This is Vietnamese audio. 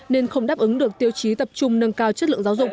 nên không đáp ứng được tiêu chí tập trung nâng cao chất lượng giáo dục